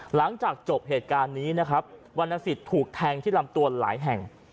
หลังจากจบเหตุการณ์นี้นะครับวรรณสิทธิ์ถูกแทงที่ลำตัวหลายแห่ง